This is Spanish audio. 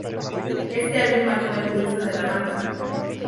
Este álbum marcó el inicio de la banda.